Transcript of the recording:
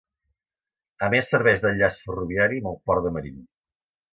A més serveix d'enllaç ferroviari amb el port de Marín.